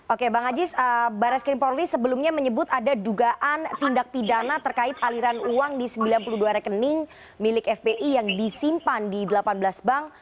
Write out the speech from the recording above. oke bang aziz barres krim polri sebelumnya menyebut ada dugaan tindak pidana terkait aliran uang di sembilan puluh dua rekening milik fpi yang disimpan di delapan belas bank